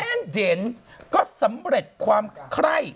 เด่นก็สำเร็จความไคร้